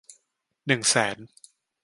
หนึ่งแสน